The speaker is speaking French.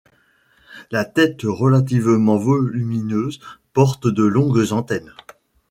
La tête relativement volumineuse porte de longues antennes.